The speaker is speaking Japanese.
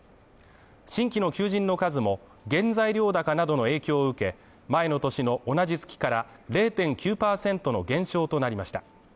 新規の求人の数も原材料高などの影響を受け前の年の同じ月から０．９％の減少となりました。